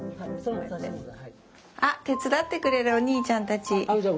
あ手伝ってくれるお兄ちゃんたち。